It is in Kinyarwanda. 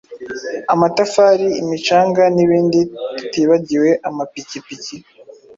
amatafari, imicanga n’ ibindi. Tutibagiwe amapikipiki